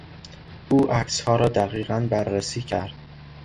او عکسها را دقیقا بررسی کرد.